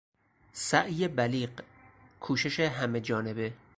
سعی بلیغ، کوشش همهجانبه